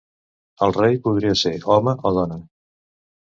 El rei podia ser home o dona.